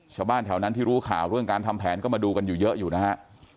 ชาวบ้านแถวนั้นที่รู้ข่าวเรื่องการทำแผนก็มาดูกันอยู่เยอะอยู่นะฮะ